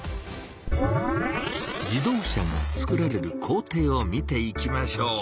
自動車がつくられる工程を見ていきましょう。